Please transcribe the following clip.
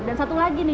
dan satu lagi nih